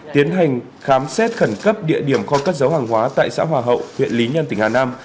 tiến hành khám xét khẩn cấp địa điểm kho cất dấu hàng hóa tại xã hòa hậu huyện lý nhân tỉnh hà nam